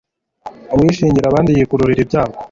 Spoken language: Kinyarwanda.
Uwishingira abandi yikururira ibyago